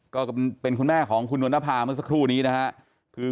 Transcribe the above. ก็เป็นคุณแม่ของคุณนวลนภาเมื่อสักครู่นี้นะครับ